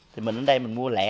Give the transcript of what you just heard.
thì mình ở đây mình mua lẻ